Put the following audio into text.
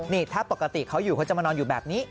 นี่ถ้าปกติเขาอยู่เขาจะมานอนอยู่แบบนี้